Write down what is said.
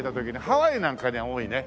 ハワイなんかには多いね。